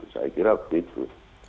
saya kira begitu